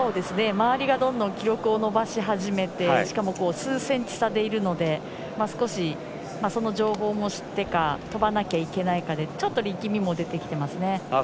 周りがどんどん記録を伸ばし始めてしかも数センチ差でいるので少し、その情報も知ってか跳ばなきゃいけないかでちょっと力みも出てきていますね。